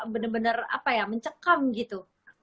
benar benar apa ya mencekam gitu